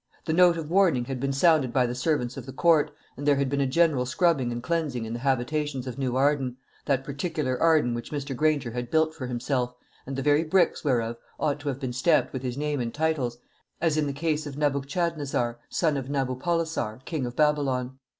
The note of warning had been sounded by the servants of the Court, and there had been a general scrubbing and cleansing in the habitations of New Arden that particular Arden which Mr. Granger had built for himself, and the very bricks whereof ought to have been stamped with his name and titles, as in the case of Nebuchadnezzar, son of Nabopolassar, king of Babylon.